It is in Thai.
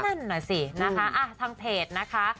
นั่นน่ะสินะคะทางเพจนะคะ